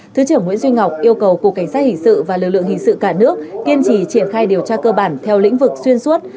thứ trưởng nguyễn duy ngọc yêu cầu cục cảnh sát hình sự và lực lượng hình sự cả nước kiên trì triển khai điều tra cơ bản theo lĩnh vực xuyên suốt